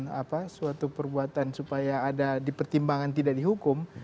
melakukan suatu perbuatan supaya ada dipertimbangan tidak dihukum